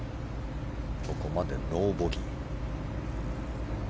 ここまでノーボギー。